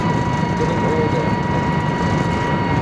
Getting old and everything.